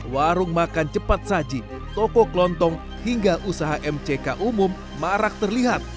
warung makan cepat saji toko kelontong hingga usaha mck umum marak terlihat